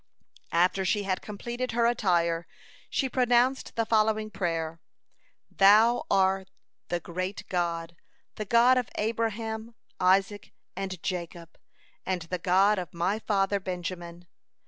After she had completed her attire, she pronounced the following prayer: "Thou art the great God, the God of Abraham, Isaac, and Jacob, and the God of my father Benjamin.